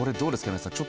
皆さん。